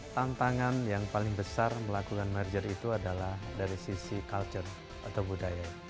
tantangan yang paling besar melakukan merger itu adalah dari sisi culture atau budaya